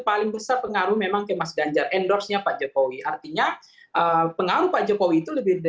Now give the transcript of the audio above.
paling besar pengaruh memang ke mas ganjar endorse nya pak jokowi artinya pengaruh pak jokowi itu lebih